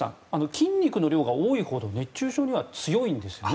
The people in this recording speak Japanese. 筋肉の量が多いほど熱中症には強いんですよね？